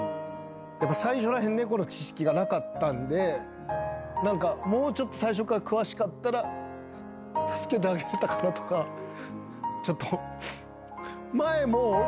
最初ら辺猫の知識がなかったんでもうちょっと最初から詳しかったら助けてあげれたかなとかちょっと。